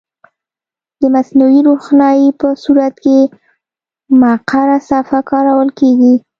د مصنوعي روښنایي په صورت کې مقعره صفحه کارول کیږي.